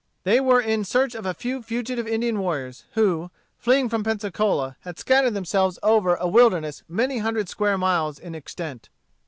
They were in search of a few fugitive Indian warriors, who, fleeing from Pensacola, had scattered themselves over a wilderness many hundred square miles in extent.